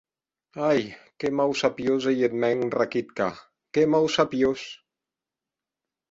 Ai, qué mausapiós ei eth mèn Rakitka, qué mausapiós!